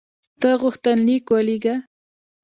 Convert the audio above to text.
ته غوښتنلیک ولېږه.